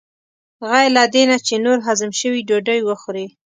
غیر له دې نه چې نور هضم شوي ډوډۍ وخورې.